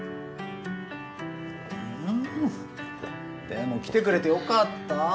でも来てくれてよかった！